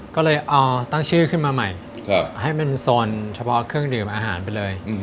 ก็เลยเอาตั้งชื่อขึ้นมาใหม่ให้เป็นโซนเฉพาะเครื่องดื่มอาหารไปเลย